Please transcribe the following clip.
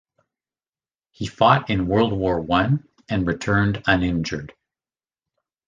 He fought in World War One and returned uninjured.